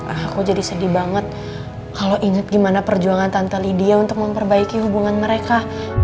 ah aku jadi sedih banget kalau inget gimana perjuangan tante lidia untuk memperbaiki hubungan mereka